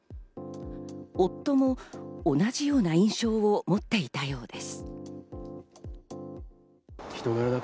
夫も同じような印象を持っていたようです。